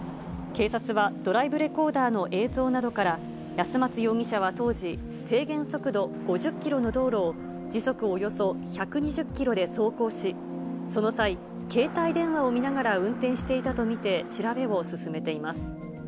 警察は、ドライブレコーダーの映像などから、安松容疑者は当時、制限速度５０キロの道路を、時速およそ１２０キロで走行し、その際、携帯電話を見ながら運転していたと見て、調べを進めています。